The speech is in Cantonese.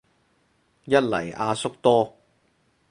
一嚟阿叔多